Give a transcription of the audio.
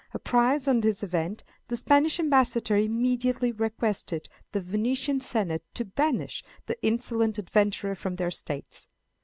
Apprised of this event, the Spanish ambassador immediately requested the Venetian senate to banish the "insolent adventurer" from their states.